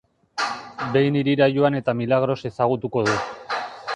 Behin hirira joan eta Milagros ezagutuko du.